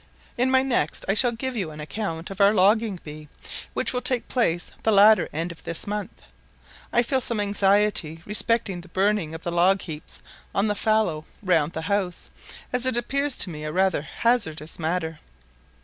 In my next I shall give you an account of our logging bee, which will take place the latter end of this month. I feel some anxiety respecting the burning of the log heaps on the fallow round the house, as it appears to me rather a hazardous matter.